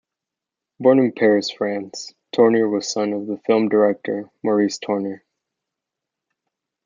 Born in Paris, France, Tourneur was the son of film director Maurice Tourneur.